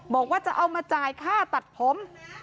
บอกว่าจะเอามาจ่ายค่าตัดผม